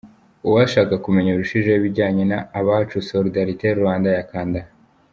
Uwashaka kumenya birushijeho ibijyanye na "Abacu-Solidarité-Rwanda" Yakanda Aha.